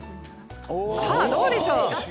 さあ、どうでしょう。